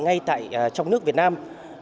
ngay tại trong nước việt nam